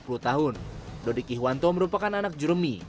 selama dua puluh tahun dodik ihwanto merupakan anak juremi